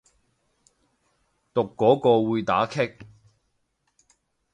讀嗰個會打棘